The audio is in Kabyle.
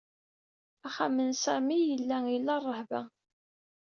Axxam n Sami yella ila rrehba.